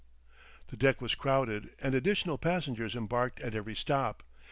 The deck was crowded and additional passengers embarked at every stop.